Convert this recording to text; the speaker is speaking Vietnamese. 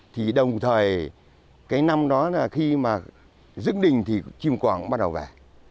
thì đồng thời cái năm đó là khi mà dứt đình thì chim quảng bắt đầu về